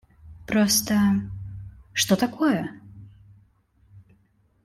Просто… Что такое?